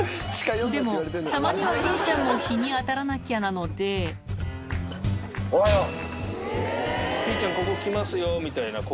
でもたまにはピーちゃんも日に当たらなきゃなのでおはよう。